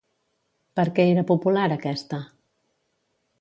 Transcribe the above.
Per què era popular, aquesta?